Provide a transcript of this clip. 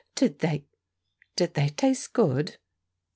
Did they did they taste good?"